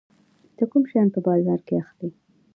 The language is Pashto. ته کوم شیان په بازار کې اخلي؟